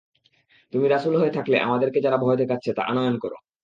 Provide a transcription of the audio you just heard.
তুমি রাসূল হয়ে থাকলে আমাদেরকে যার ভয় দেখাচ্ছ তা আনয়ন কর।